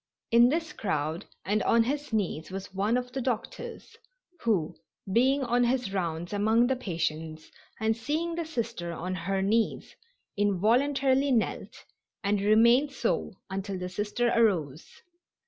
In this crowd and on his knees was one of the doctors, who, being on his rounds among the patients and seeing the Sister on her knees, involuntarily knelt, and remained so until the Sister arose.